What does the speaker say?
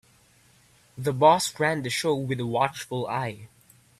The boss ran the show with a watchful eye.